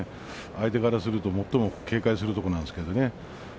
相手側からすると最も警戒するところです。